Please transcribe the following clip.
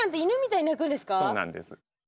そうなんです。